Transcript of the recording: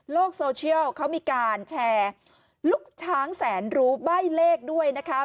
โซเชียลเขามีการแชร์ลูกช้างแสนรู้ใบ้เลขด้วยนะคะ